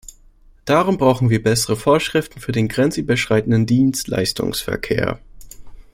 Darum brauchen wir bessere Vorschriften für den grenzüberschreitenden Dienstleistungsverkehr.